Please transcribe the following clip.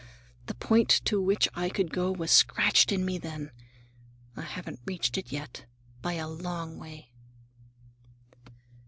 The point to which I could go was scratched in me then. I haven't reached it yet, by a long way."